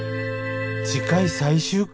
次回最終回